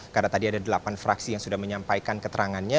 karena tadi ada delapan fraksi yang sudah menyampaikan keterangannya